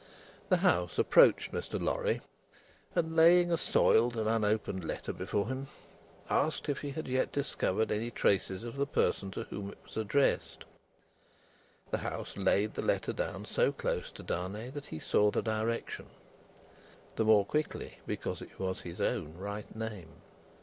The House approached Mr. Lorry, and laying a soiled and unopened letter before him, asked if he had yet discovered any traces of the person to whom it was addressed? The House laid the letter down so close to Darnay that he saw the direction the more quickly because it was his own right name.